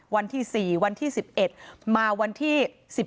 วันที่๔วันที่๑๑มาวันที่๑๓